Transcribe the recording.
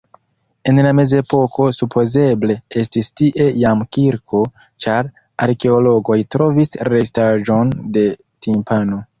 En la mezepoko supozeble estis tie jam kirko, ĉar arkeologoj trovis restaĵon de timpano.